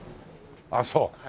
ああそう。